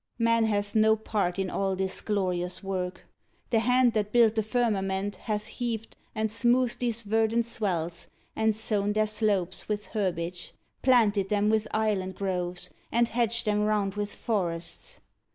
Man hath no part in all this glorious work: The hand that built the firmament hath heaved And smoothed these verdant swells, and sown their slopes With herbage, planted them with island groves, And hedged them round with forests.